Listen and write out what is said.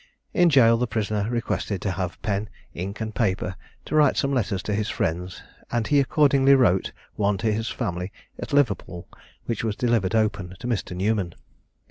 In jail the prisoner requested to have pen, ink, and paper, to write some letters to his friends; and he accordingly wrote one to his family at Liverpool, which was delivered open to Mr. Newman.